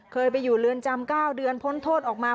เคยไปอยู่เรือนจำ๙เดือนพ้นโทษออกมา